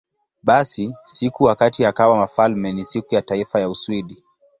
Basi, siku wakati akawa wafalme ni Siku ya Taifa ya Uswidi.